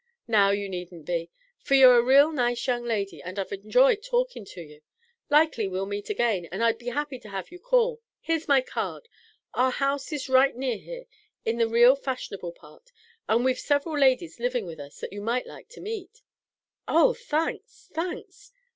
"Now, you needn't be, for you're a real nice young lady, and I've enjoyed talkin' to you. Likely we'll meet again, but I'd be happy to have you call. Here's my card. Our house is right near here in the real fashionable part; and we've several ladies livin' with us that you might like to meet." "Oh, thanks! thanks!"